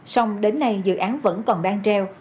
xong đến nay dự án vẫn còn đang treo